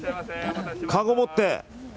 かご持って。